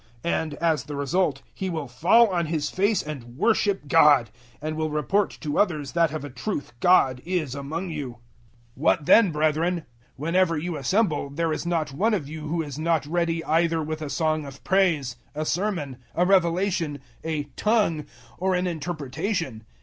And, as the result, he will fall on his face and worship God, and will report to others that of a truth God is among you. 014:026 What then, brethren? Whenever you assemble, there is not one of you who is not ready either with a song of praise, a sermon, a revelation, a `tongue,' or an interpretation.